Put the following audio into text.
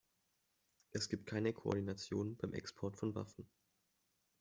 Es gibt keine Koordination beim Export von Waffen.